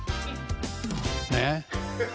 ねっ。